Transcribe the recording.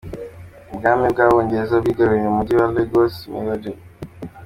Ubwami bw’Abongereza bwigaruriye umugi wa Lagos, wa Nigeria.